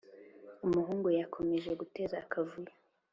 uyumuhungu yakomeje guteza akavuyo